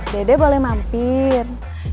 dede boleh mampir